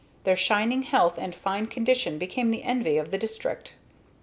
Their shining health and fine condition became the envy of the district.